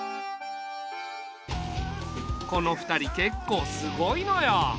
この２人けっこうすごいのよ。